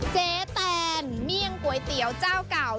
แตนเมี่ยงก๋วยเตี๋ยวเจ้าเก่า